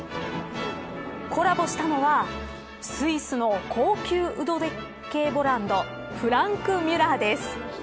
コラボしたのはスイスの高級腕時計ブランドフランクミュラーです。